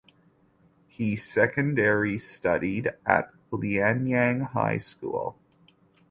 He secondary studied at Liangyang High School.